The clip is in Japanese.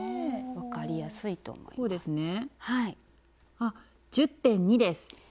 あっ１０．２です。